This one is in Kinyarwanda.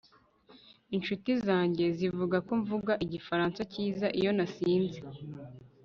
Inshuti zanjye zivuga ko mvuga igifaransa cyiza iyo nasinze